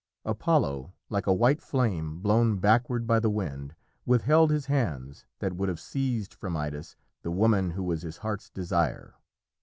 Apollo, like a white flame blown backward by the wind, withheld his hands that would have seized from Idas the woman who was his heart's desire.